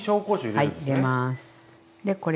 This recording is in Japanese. はい入れます。